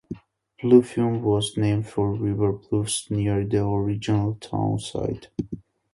Bluffton was named for river bluffs near the original town site.